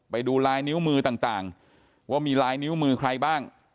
ไปดูลายนิ้วมือต่างว่ามีลายนิ้วมือใครบ้าง